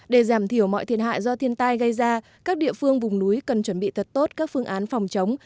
để giảm thiểu mọi thiệt hại do thiên tai gây ra các địa phương vùng núi cần chuẩn bị thật tốt các phương án phòng chống